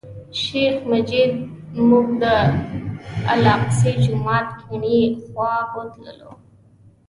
شیخ مجید موږ د الاقصی جومات کیڼې خوا ته بوتللو.